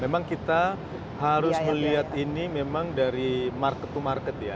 memang kita harus melihat ini memang dari market to market ya